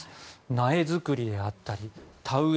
苗作りであったり田植え